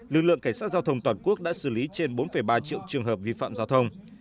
lực lượng cảnh sát giao thông toàn quốc đã xử lý trên bốn ba triệu trường hợp vi phạm giao thông